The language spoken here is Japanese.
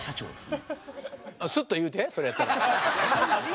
スッと言うてそれやったら。